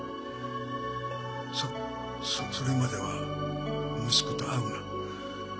そそれまでは息子と会うな。